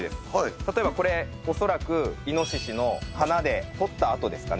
例えばこれ、恐らくイノシシの鼻で掘った跡ですかね。